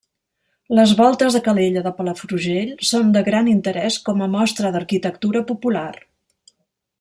Les Voltes de Calella de Palafrugell són de gran interès com a mostra d'arquitectura popular.